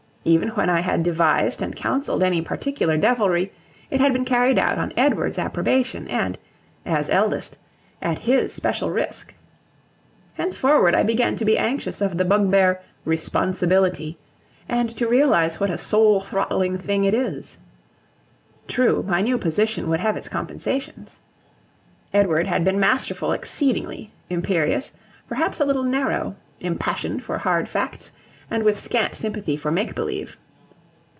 Even when I had devised and counselled any particular devilry, it had been carried out on Edward's approbation, and as eldest at his special risk. Henceforward I began to be anxious of the bugbear Responsibility, and to realise what a soul throttling thing it is. True, my new position would have its compensations. Edward had been masterful exceedingly, imperious, perhaps a little narrow; impassioned for hard facts, and with scant sympathy for make believe.